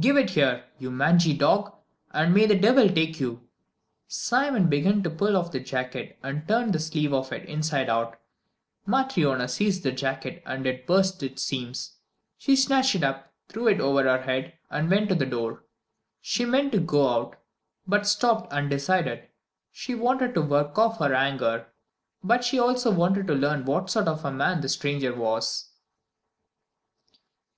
Give it here, you mangy dog, and may the devil take you." Simon began to pull off the jacket, and turned a sleeve of it inside out; Matryona seized the jacket and it burst its seams, She snatched it up, threw it over her head and went to the door. She meant to go out, but stopped undecided she wanted to work off her anger, but she also wanted to learn what sort of a man the stranger was.